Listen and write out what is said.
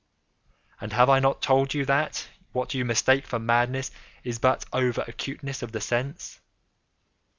And have I not told you that what you mistake for madness is but over acuteness of the sense?